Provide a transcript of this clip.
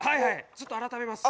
ちょっと改めます。